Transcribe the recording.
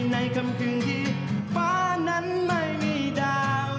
ในคำกึ่งที่ฟ้านั้นไม่มีดาว